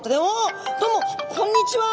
どうもこんにちは！